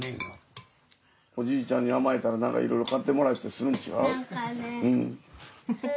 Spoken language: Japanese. おじいちゃんに甘えたらなんかいろいろ買ってもらえたりするんちゃう？